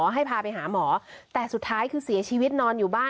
ให้พาไปหาหมอแต่สุดท้ายคือเสียชีวิตนอนอยู่บ้าน